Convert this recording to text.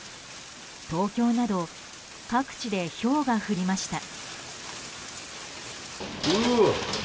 東京など、各地でひょうが降りました。